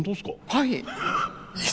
はい。